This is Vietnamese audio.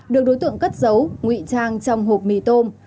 được đối tượng cất giấu nguy trang trong hộp mì tôm